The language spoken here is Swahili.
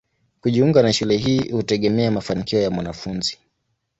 Kujiunga na shule hii hutegemea mafanikio ya mwanafunzi.